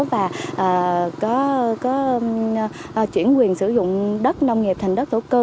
và có chuyển quyền sử dụng đất nông nghiệp thành đất thổ cư